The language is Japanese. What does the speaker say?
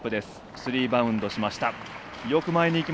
スリーバウンドしました。